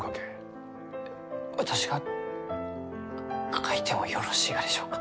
え私が書いてもよろしいがでしょうか？